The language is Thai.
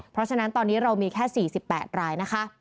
เพราะฉะนั้นตอนนี้เรามีแค่๔๘รายนะคะ